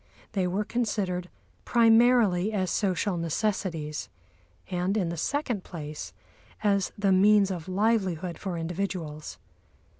They were considered primarily as social necessities, and in the second place as the means of livelihood for individuals.